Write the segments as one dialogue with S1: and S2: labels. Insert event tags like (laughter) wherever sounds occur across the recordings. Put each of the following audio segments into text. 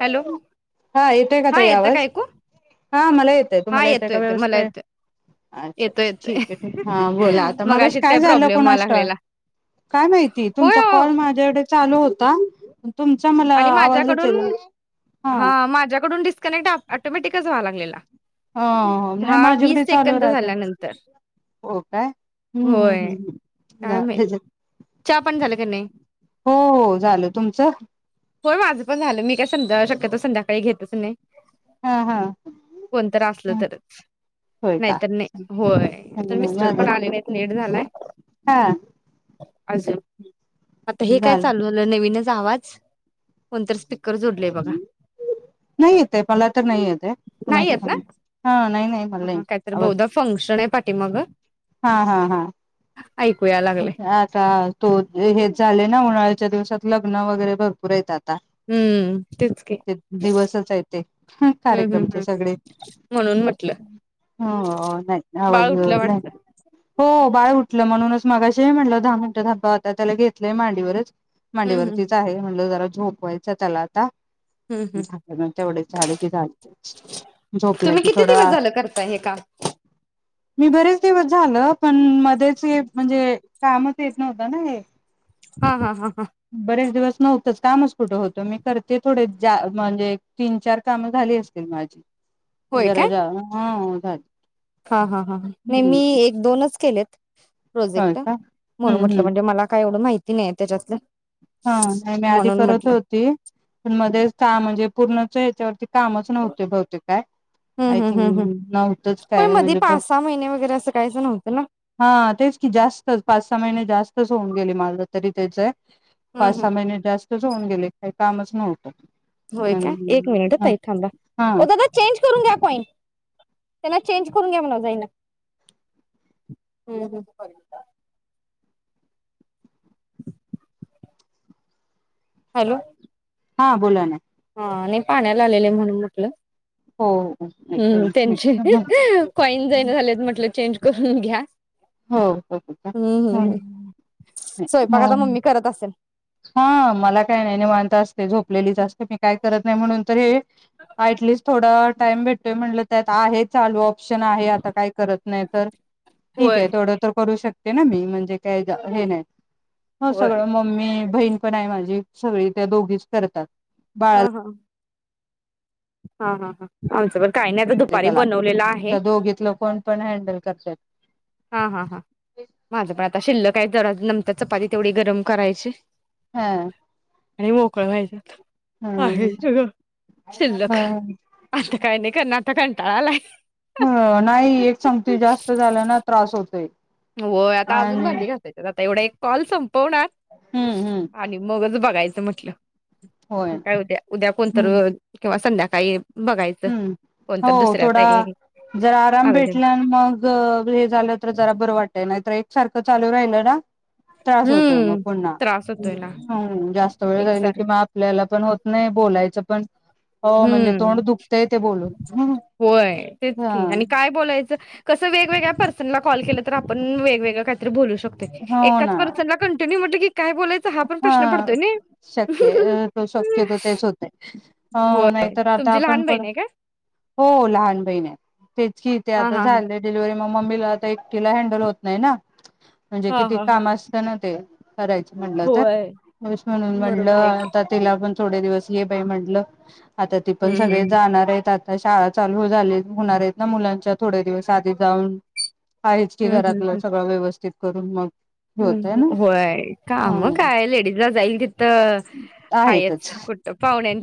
S1: Hello
S2: हा येतोय का
S1: हा
S2: ताई
S1: येतं
S2: आवाज?
S1: ऐकू
S2: हा मला येतोय.
S1: हा
S2: तुम्हाला येतोय
S1: येतो
S2: का
S1: मला
S2: व्यवस्थीत?
S1: येतोय.
S2: अच्छा,
S1: येतोय
S2: अच्छा ठीक आहे
S1: येतोय
S2: हा बोला. आता मगाशी
S1: मगाशीच
S2: काय झालं
S1: प्रॉब्लेम व्हाय
S2: कोणास ठाव.
S1: लागलेला
S2: काय माहिती
S1: होय
S2: तुमचा कॉल
S1: हो
S2: माझ्याकडे चालू होता. पण तुमचा मला आवाजच ये
S1: तून हा माझ्याकडून डिसका कनेक्ट ऍटोम्याटिकच व्हायलाय. लेला
S2: ह नाही माझ्याकडे चालू राहते
S1: झाल्यानंतर
S2: हो काय हं हं हं हं झीज
S1: च्या पाणी झालं का नही?
S2: हो हो झालं तुमचं?
S1: होय माझं पण झालं मी काय संध्या शक्यतो संध्याकाळी घेतच नाही.
S2: हा हा
S1: कोणतर असल तरच
S2: होय का
S1: नाहीतर नाही, होय अता मिस्टर
S2: माझ
S1: पण आले नाहीत लेट झालाय.
S2: हा
S1: आज आता हे काय चालू झालं नवीनच आवाज? वंतर स्टि कर जोडलय बघा.
S2: नाही येते मला तर नाही येते, कुणा
S1: नाही येत ना
S2: हा नाही नाही मला
S1: ह
S2: नाही
S1: हा कायतर
S2: आवाज
S1: बहुदा फंक्शन आहे पाठी
S2: हा हा हा
S1: ऐकूया लागले
S2: आता तो हेच झाले ना उन्हाळाच्या दिवसात लग्न वगैरे भरपूर येतात. ता
S1: हम्म तेच की
S2: ते दिवसच आहेत ते
S1: हम् हम्
S2: कार्यक्रमचे
S1: हम्
S2: सगळे
S1: म्हणून म्हटलं
S2: ह नाही
S1: बाळ
S2: आवाज
S1: उठलं
S2: नाही.
S1: वाटतं
S2: हो बाळ उठलं म्हणूनच मगाशी म्हटलं दहा मिनटं धाबा, तर त्याला घेतलाय मांडीवरच
S1: हम्म हम्
S2: मांडीवरतीच आहे म्हणलं जरा झोपवायचं त्याला आता
S1: हम्म हम्
S2: झाकलं न तेवढे झाले की झालं त्यांचं झोपलं
S1: तुम्ही
S2: की
S1: किती
S2: थोडा
S1: दिवस झालं करताय हे काम
S2: मी बरेच दिवस झालं पण मध्येच म्हणजे कामच येत नव्हतं ना हे.
S1: हा हा हा हा
S2: बरेच दिवस नव्हतंच कामच कुठं होतं मी करते थोडे जा म्हणजे तीन चार कामं झाली असतील माझी
S1: होय
S2: जरा
S1: काय
S2: जा हा (unintelligible)
S1: हा हा हा नाही मी
S2: हम्म
S1: एक दोनच केले
S2: होय
S1: प्रोजेक्ट
S2: का
S1: म्हणून
S2: हम्म
S1: म्हटल
S2: हम्म
S1: म्हणजे मला काय एवढं माहि ती नाही त्याच्यातलं
S2: हा नाही मी आधी
S1: म्हणून
S2: करत
S1: म्हटलं
S2: होती पण मध्येच चा म्हणजे पूर्णच याच्यावरती कामच नव्हत बहुतेक काय
S1: हम्
S2: आय
S1: हम् हम्
S2: थिंक
S1: हम्
S2: नव्हतच
S1: पण
S2: काय
S1: मध्ये
S2: म्हणजे
S1: पाच सहा महिने वगैरे असं काहीच नव्हतं ना
S2: हा तेच की जास्त पाच सहा महिने जास तस होऊन गेले माझ तरी तेच आहे.
S1: हम् हम्
S2: पासा महीने जास्त होऊन गेले काही कामच नव्हतं
S1: होय का एक मिनिट ह
S2: हम्म
S1: ताई थांबा
S2: हा
S1: ओ दादा चेंज करून घ्या कॉइन त्यांना चेंज करून घ्या म्हणाव जाईना (inaudible) हॅलो
S2: हा बोला ना
S1: ह नाही पाण्याला आलेले म्हणून म्हटलं
S2: हो हो हो
S1: हम्म त्यांची कॉईन जाईना झाल्यात म्हटल चेंज करून घ्या.
S2: हो
S1: हम्म हम्म हम्म स्वयंपाक
S2: हो
S1: आता मम्मी करत असल.
S2: हा मला काय नाही निवांत असते झोपलेलीच असते मी काय करत नाही म्हणून तर हे ॲटलिस्ट थोडावेळ टाइम भेटतोय म्हटलं त्यात आहे चालू शन आहे आता काय करत नाही तर ठीक
S1: होय
S2: आहे तेवढं तर करू शक ना मी म्हणजे काय हे नाही हो
S1: होय
S2: सगळ ममी बहीण पण आहे माझी सगळी त्या दोघीच करतात.
S1: ह
S2: बाळाला
S1: ह हा हा हा आमच पण काही नाही आता
S2: दे
S1: दुपारी
S2: त्याला
S1: बनवलेलं आहे
S2: तर दोघीतलं कोण पण हँडल करत्यात.
S1: हा हा हा माझं पण आता शिल्लकाय. जरा नंतर चपाती तेवढी गरम करायची
S2: ह
S1: आणि मोकळ व्हायच आहे सगळ शिल्लक
S2: ह
S1: आता काय नाही करणार अता कंटाळा आलाय.
S2: ह नाही एक संगती जास्त झाल्या ना त्रास होतोय.
S1: होय आता अजून
S2: आणि
S1: भांडी घासायची आता एवढे एक कॉलस संप तो नॅप
S2: हम्म हम्म
S1: आणि मगच बघायचं. म्हटलं
S2: होय
S1: मग काय उद्या. उद्या कोणतर किंवा संध्या काही
S2: ह्म हो थोडा जरा आराम
S1: अवेलेबल
S2: भेटला आणि मग हे झालं तर जरा बरं वाट नाहीतर एक सारखं चालू राहिल ना त्रास होतोय मग
S1: हम्म
S2: पुन्हा
S1: त्रास होतोय ना
S2: जास्त वेळ जाल कि म
S1: एकसारखं
S2: आपल्याला पण होत नाही बोलायचं. पण हो म्हणजे
S1: हम्म
S2: तोंड दुख
S1: होय तेच
S2: हा
S1: की आणि काय बोलायचं कस वेगवेग पर्सनला कॉल केलं तर आ पण वेगग काहीत बोलू शकतो
S2: हो ना
S1: एकाच पर्सनला कंटिन्यू म्ह म्हटलं की काय बोलायचं हा पण प्रश्न पडतोय नय.
S2: शक्य हा नाहीतर आता आपण पण हो लहान बहिण तेचकी ते
S1: हा
S2: आता
S1: हा हा
S2: जाल डिलेव्हरी म मम्मीला आता एकटीला हँडल होत नाही ना. म्हणजे
S1: हा
S2: किती
S1: हा हा
S2: काम असतं ना ते करायच म्हलं तर
S1: होय
S2: पुरुष म्हणून म्हणलं
S1: बरोबर आहे
S2: आ
S1: की
S2: तर तिला पण थोडे दिवस ये बाई म्हंटलं. आता ती पण
S1: हम्म हम्म
S2: सगळे
S1: हम्म
S2: जाणारे तात आ शाळा चालू झाली होणारेत ना मुलांच्या थोडे्या दिवस आधी जाऊन आहेच की घरातलं सगळं व्यवस्थित करून मग
S1: हम्
S2: होतय ना
S1: हम्म व्होय का अ मग
S2: ह
S1: काय लेडीजला जाईल किथं
S2: आहेतच
S1: हायच कुठ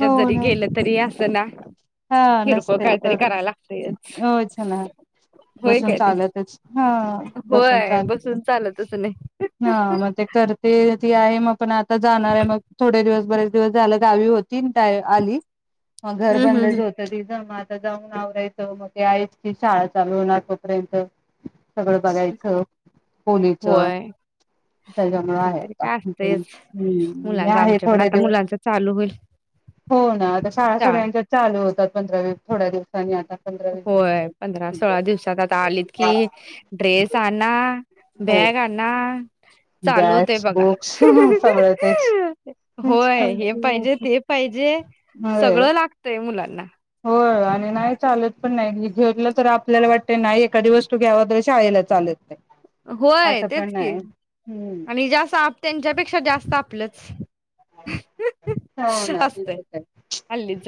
S2: हो
S1: जरी
S2: ना
S1: गेलं तरी अस ज ना
S2: हा
S1: किरकोळ
S2: नसते
S1: काहीतरी
S2: करत
S1: करायला लागतयच
S2: होच ना
S1: होय
S2: बसून
S1: काय ते
S2: चालतच हा बसून
S1: होय
S2: चाल
S1: बसून चालतच नाही
S2: हा म करते ती आ कायम आपण आत त जाणार आहे मग थोडे दिवस बरेच दिवस झालं गावी हो तीन टाय आली मग घर
S1: हम्म हम्म
S2: बंद
S1: हम्म
S2: आता जाऊन आवरायचं मग ते हायचकी शाळा चालू होणार तोपर्यंत सगळं बघायचं खोलीच
S1: होय
S2: त्याच्यामुळ
S1: ते
S2: आहे
S1: तरी काय
S2: आता
S1: असतयच मुलांच
S2: आहे
S1: आमच्या पण
S2: थोडे
S1: आता
S2: दिवस
S1: मुलांच चालू होईल
S2: हो ना आता शाळा सगळ्यांच्या चालू होत तर पंधरावी थोड्या दिवसांनी आता वीस
S1: होय
S2: दिवस
S1: पंधरा सोळा दिवसात आता आलीत की ड्रेस आण
S2: हो
S1: बॅग आणा चालू होतंय
S2: बॅग्स
S1: बघा
S2: बुक्स सगळं तेच तेच
S1: होय (unintelligible)
S2: तेच
S1: हे पाहिजे ते पाहिजे सगळं लागतय मुलांना
S2: हो आणि नाही चालत पण नाही घेऊलं तर आपल्याला वाटतं नाही एखादी वस्तू घ्याव तर शाळेला चालत नाही
S1: होय
S2: असं पण
S1: तेच कि
S2: नाही हम्म
S1: आणि जास्त आप त्यांच्यापेक्षा जास्त आपलं (inaudible)
S2: हो ना तेच
S1: असतयं
S2: होतंय.
S1: हल्लीच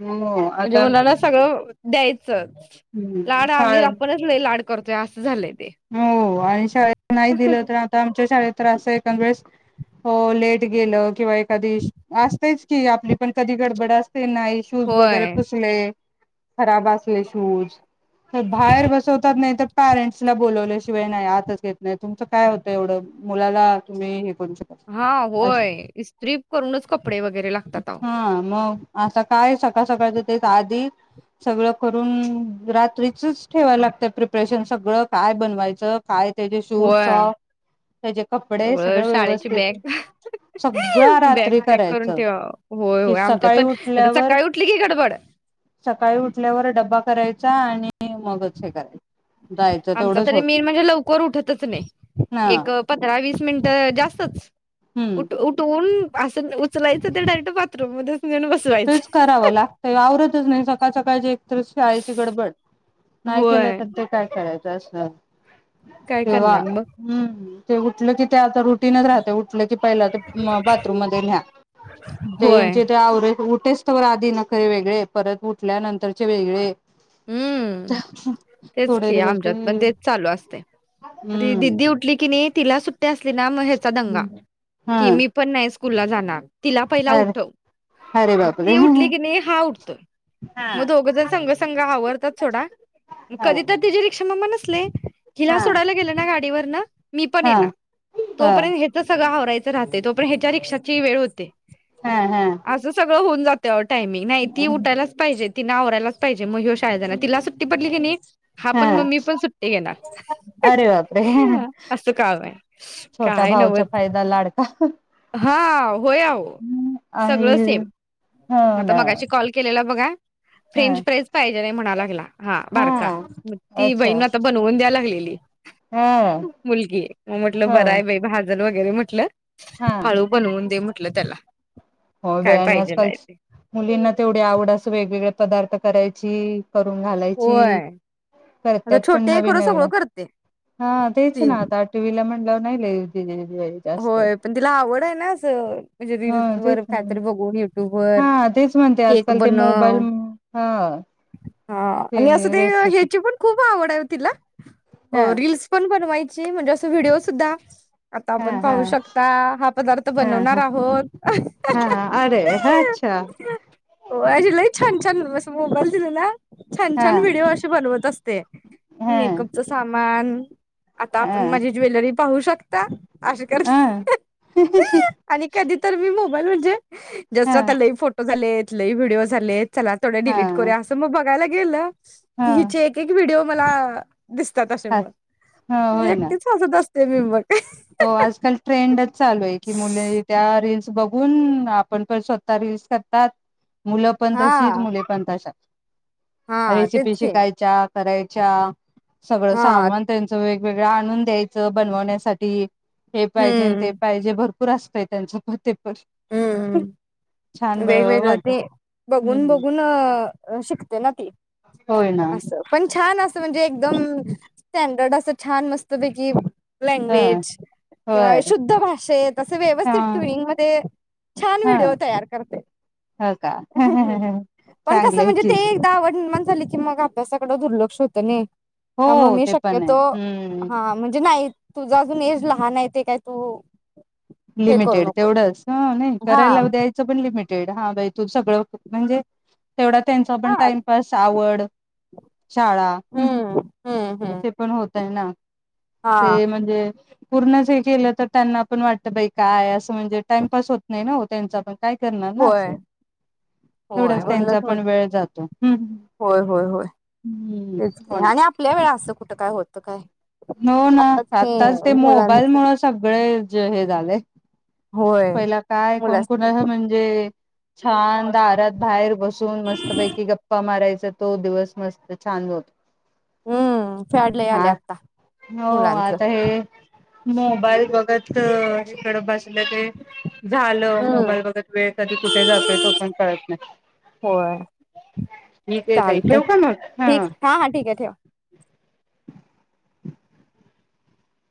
S2: हो आता
S1: मुलाना
S2: आमच्या
S1: सगळं द्यायचंच लाड आम्ही
S2: शाळेत
S1: आपणच लै लाड करतो ते अस झालयं ते
S2: हो आणि शाळेत नाही दिलं तर आता आमच्या शाळेत तर अस एखादवेळेस हो लेट गेलं किंवा एखादी असतयचं की आपली पण कधी गडबड अस नाही शूज वगैरे
S1: होय
S2: पुसले खराब असले शूज तर बाहेर बसवतात नाही तर पॅरंटस परेंट्स ला बोलवल्याशिवाय नाही आतच येत नाही तुमचं काय होतं एवढं मुलाला तुम्ही करू शकता
S1: हा होय इस्त्री करूनच कपडे वगैरे लागतात आओ
S2: हा मग आता काय सकाळ सकाळच तेच आधी सगळं करून रात्रीचच ठेवायला लागत प्रिपरेशन सगळं काय बनवायचं? काय त्याचे शूज,
S1: होय
S2: सॉक त्याचे कपडे सगळं
S1: शाळेची
S2: व्यवस्थित
S1: बॅग
S2: (unintelligible) सगळं
S1: बॅग
S2: रात्री
S1: पॅक करून
S2: करायचं
S1: ठेवा होय
S2: कि
S1: होय आमच्यात
S2: सकाळी
S1: पण आता
S2: उठल्यावर
S1: सकाळी उठली की गडबड
S2: सकाळी उठल्यावर डब्बा करायचा चहा आणि आणि मगच हे करायच जायच
S1: आमचा तरी मेन म्हणजे लवकर उठतच नाही
S2: हा
S1: एक पंधरा वीस मिनिट जास्तच
S2: हम्म
S1: उठ उठवून अस उचलायचं ते डायरेक्ट बाथरूम मध्येच नेऊन
S2: तेच
S1: बसवायचं
S2: करावं लागतय आवरतच नाही सक काल सकाळ ची तर शाळेची गडबड नाही केलं
S1: होय
S2: तर ते काय करायचं ते असणार
S1: काय
S2: तेेवा
S1: करणार मग
S2: हम्म ते उठले की ते आता रुटीनच राहतय उठल की पहिला ते बाथरूम मध्ये न्या ते
S1: होय
S2: त्याचं ते आवरे उठेसच तोवर आधी नखरे वेगळे परत उठल्यानंतरचे वेगळे
S1: हम्म तेच
S2: थोडे
S1: की
S2: दिवस ते
S1: आमच्यात पण तेच चालू असतय ती
S2: हम्म
S1: दिदी उठली की नाही तिला सुट्टी असली ना मग हेच नुसता दंगा
S2: हा
S1: की पण नाही स्कूलला जाणार तिला पहिला
S2: अरे
S1: उठव,
S2: अरे
S1: मग
S2: बापरे
S1: ती उठली किणी हा उठतोय
S2: हा
S1: मग दोघं जण संग स्कू संग आवरतात सोडा म
S2: हा
S1: कधीतर तिजी रिक क्षमामाण नसले हिला
S2: हा
S1: सोडायला गेलं ना गाडीवर ना मी पण
S2: हा
S1: येणार
S2: हा
S1: तोपर्यंत हेच सगळं आवरायचं राहते तोपर्यन्त ह्याच्या रिक्षाची वेळ होते
S2: हा
S1: असं सगळं होऊन जा तट टायमिंग नाही ती
S2: हा
S1: उठायलाच पाहिजेत. तिनं आवरायलाच पायजे मग ह्यो शाळे जाणार, तिला सुट्टी पडली किणी हा पण म मी पण सुट्टी घेणार,
S2: अरे बापरे
S1: ह्हाआ असं काम आय
S2: छोटा
S1: काय
S2: भाऊचा
S1: नव्हच
S2: फायदा लाडका
S1: हाव होय अवो
S2: आणि
S1: सगळं सेम
S2: हो
S1: आता
S2: ना
S1: मगाशी कॉल केलेला बघा
S2: हा
S1: फ्रेंच प्राईज पाहिजेल हाय म्हणा लागला हा बारका ती बहीण
S2: अच्छा
S1: आता बनवून द्याय लागलेली
S2: हा
S1: मुलगी मग म्हटलं
S2: ह
S1: बर हाय बई भाजल बग येरे म्हटलं
S2: हा
S1: हळू बनवून दे म्हटलं त्याला
S2: हो
S1: काय
S2: बाई आणि
S1: पाहिजेल
S2: आजकाल
S1: आय ते
S2: मुलींना तेवढी आवड असं वेगवेगळे पदार्थ करायची. करून
S1: होय
S2: घालायची
S1: आता
S2: करतात पण
S1: छोटे आहे
S2: नवीन
S1: खरं
S2: नवीन,
S1: सगळं करते
S2: हा तेच
S1: ती
S2: ना आता आटवीला म्हण तिला नाई लई दिलेलं वय जास्त
S1: होय पण तिला आवड आय ना अस म्हणजे रील
S2: हा तेच
S1: वर
S2: ना
S1: कायतरी बगून य वर
S2: हा तेच म्हणते
S1: केक
S2: आजकाल ते मोबाईल
S1: बनव
S2: हा
S1: हा आणि असं ते ह्याची पण खूप आवड आय ओ तिला
S2: हा
S1: अ रील्स पण बनव वायची म्हणजे अस व्हिडिओ सुद्धा
S2: हा
S1: आपण
S2: हा
S1: पाहू शकता हा पदार्थ
S2: हा
S1: बनवणार
S2: हा
S1: आहोत,
S2: हा अरे हा अच्छा
S1: ह्ह्ह्हअ ओ अशी लई छान छान वस मोबाईल दिलेला छान
S2: हा
S1: छान व्हिडिओ अशे बनवत असते,
S2: हा
S1: मेकअपच सामान आता
S2: हा
S1: आपण
S2: हा
S1: माझी ज्वेलरी पाहू शकता अशे करते
S2: हा
S1: ह ह ही आणि कधी तर मी मुग (unintelligible) जसं
S2: हा
S1: आता लई फोटो झालेत लय व्हिडिओ झालेत चला थोडे डिलीट करुया
S2: हा
S1: असं मग बघयला गेलं? हिचे एक एक व्हिडीओ मला दिसतात असे म
S2: हा होय ना
S1: एकटीच हसत अस (unintelligible)
S2: तो आजकाल ट्रेंडच चालू आहे की मुली त्या रिल्स बघून आपण पण स्वतः रिल्स करतात मुलं पण
S1: हा
S2: तशीच मुली पण तश्याच
S1: हा तेच
S2: रेसिपी
S1: की
S2: शिकायच्या करायच्या सगळं
S1: हा
S2: सामान त्यांचं वेग सगळं आणून द्यायचं बनवण्यासाठी ते हे पाहिजे आणि ते
S1: हम्म
S2: पाहिजे भरपूर भरपूर असतंय त्यांचं पण
S1: हम्म
S2: छान
S1: हम्म वेगवेगळं
S2: वाटत
S1: ते बघून
S2: हम्म
S1: बघून शिकते ना ती.
S2: होय ना
S1: असं पण छान अस म्हणजे एकदम स्टँडर्ड असं छान मस्त पैकी
S2: ह
S1: लँग्वेज किंवा
S2: बर
S1: शुद्ध भाषेत असं
S2: ह
S1: व्यवस्थित ट्विंग मध्ये छान व्हिडिओ
S2: ह
S1: तयार करतय.
S2: हो का
S1: पण कसं
S2: चांगलं आहे
S1: म्हणजे
S2: की
S1: ते एकदा आवड निर्माण झालं की मग अभ्यासाकड दुर्लक्ष होतं नई. त्यामुळे
S2: हो
S1: मी
S2: ते पण आहे
S1: शक्यतो
S2: हम्म
S1: हा म्हणजे नाही तुझा अजून एज लहान आहे ते काय तू हे करू
S2: लिमिटेड
S1: नको
S2: तेवढंच. हां नाही
S1: हा
S2: करायला लावू द्यायचं पण लिमिटेड हा बाई तू सगळं खूप म्हणजे तेवढा त्यांचा
S1: हा
S2: पण टाइमपास, आवड, शाळा
S1: हम्म हम्म हम्म
S2: ते पण होतं - त्यांना
S1: हा
S2: ते म्हणजे - पूर्ण जे केलं तर त्यांना पण वाटत बाई काय असं म्हजे टाईमपास होत नाही ना वो त्यांचा पण काय करणार ना
S1: होय
S2: असं
S1: होय
S2: तेवढाच त्यांचा
S1: म्हणूनच
S2: पण
S1: म्हट
S2: वेळ जातो
S1: होय होय होय
S2: ह्म्म
S1: तेच
S2: हो
S1: की
S2: ना
S1: आणि आपल्या वेळा असं कुठं काय होतं काय?
S2: हो ना आताच ते मोबाईलमुळे सगळे जे हे झालयं
S1: होय
S2: पहिला काय कोण
S1: मुलाच
S2: कुणाला म्हणजे -.? छान दारात बाहेर बसून मस्तपैकी गप्पा मारायचा तो दिवस मस्त छान
S1: हम्म फॅड लय आलय
S2: हा
S1: आत्ता
S2: हो आता हे मोबाईल बघितलं तिकडं बसलं ते झालं
S1: हम्म
S2: मोबाईल बगत वेळ कधी कुठे जातोय तो पण कळत नाही
S1: होय
S2: ठीक आहेे ताई
S1: चालतय
S2: ठेवू का मग
S1: ठीक
S2: हां
S1: हा हा ठीक आहे ठेवा